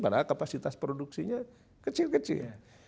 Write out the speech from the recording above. padahal kapasitas produksinya kecil kecil